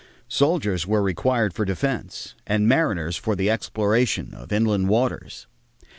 Soldiers were required for defense and mariners for the exploration of inland waters.